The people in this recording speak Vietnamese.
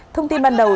thông tin ban đầu